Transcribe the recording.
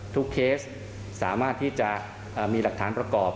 เคสสามารถที่จะมีหลักฐานประกอบ